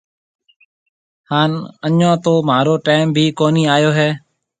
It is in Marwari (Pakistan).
هانَ اَڃون تو مهارو ٽيم ڀِي ڪونهي آيو هيَ۔